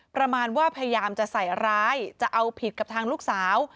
ประมาณว่าพยายามจะใส่ร้ายจะเอาผิดกับทางลูกสาว